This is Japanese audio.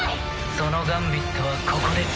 そのガンビットはここで潰す。